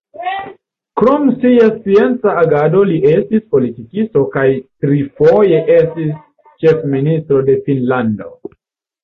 Krom sia scienca agado li estis politikisto kaj trifoje estis ĉefministro de Finnlando.